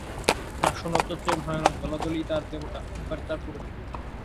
না, শূন্যতার চেয়ে ভয়ানক– দলাদলিই তার দেবতা, অহংকারই তার পুরোহিত।